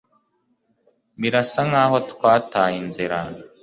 Birasa nkaho twataye inzira